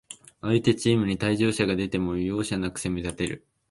相手チームに退場者が出ても、容赦なく攻めたてる